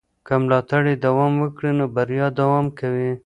که ملاتړ دوام وکړي نو بریا دوام کوي.